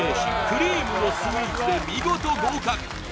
クリームのスイーツで見事合格！